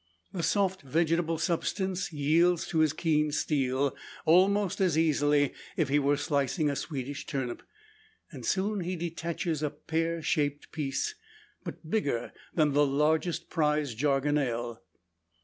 The soft vegetable substance yields to his keen steel, almost as easily as if he were slicing a Swedish turnip; and soon he detaches a pear shaped piece, but bigger than the largest prize "Jargonelle."